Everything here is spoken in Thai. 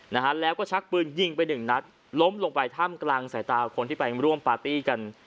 นะฮะแล้วก็ชักปืนยิงไปหนึ่งนัดล้มลงไปถ้ำกลางสายตาคนที่ไปร่วมปาร์ตี้กัน